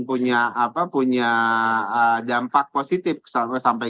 punya apa punya dampak positif sampai